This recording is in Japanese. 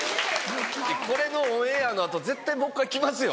これのオンエアの後絶対もう一回来ますよ。